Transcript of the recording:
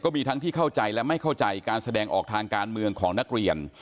มีทั้งที่เข้าใจและไม่เข้าใจการแสดงออกทางการเมืองของนักเรียน